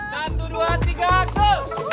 satu dua tiga go